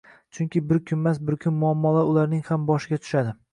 Chunki bir kunmas-bir kun muammolar ularning ham boshiga tushadi.